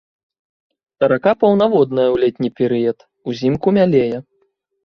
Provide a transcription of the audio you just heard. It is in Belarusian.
Рака паўнаводная ў летні перыяд, узімку мялее.